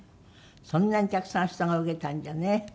そんなにたくさん人が受けたんじゃね